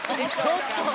ちょっと。